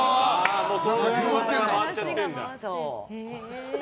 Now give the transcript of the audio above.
そういう噂が回っちゃってるんだ。